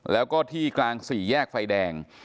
แล้วก็ที่กลางสี่แยกไฟแดง